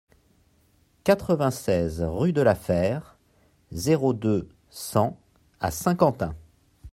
quatre-vingt-seize rue de la Fère, zéro deux, cent à Saint-Quentin